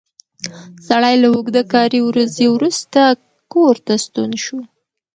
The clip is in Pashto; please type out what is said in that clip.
سړی له اوږده کاري ورځې وروسته کور ته ستون شو